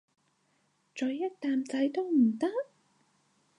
咀一啖仔都唔得？